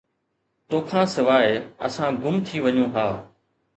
توکان سواءِ، اسان گم ٿي وڃون ها